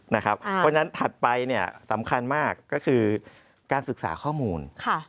เพราะฉะนั้นถัดไปสำคัญมากก็คือการศึกษาข้อมูล